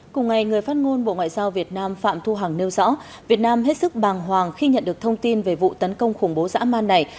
cùng ngày người phát ngôn bộ ngoại giao việt nam phạm thu hằng nêu rõ việt nam hết sức bàng hoàng khi nhận được thông tin về vụ tấn công khủng bố dã man này